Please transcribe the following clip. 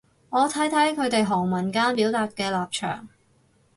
我睇睇佢哋行文間表達嘅立場